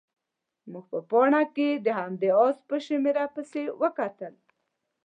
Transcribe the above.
موږ په پاڼه کې د همدې اس په شمېره پسې وکتل.